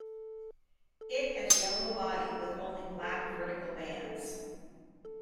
It has yellow body with only black vertical bands.